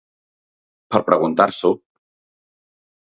Per preguntar-s’ho!